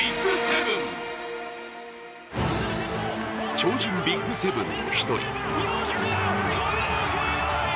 超人ＢＩＧ７の１人。